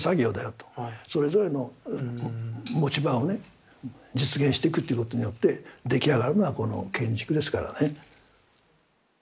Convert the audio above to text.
それぞれの持ち場をね実現してくっていうことによって出来上がるのはこの建築ですからね。